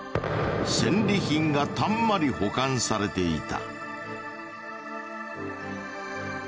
戦利品がたんまり保管されていた。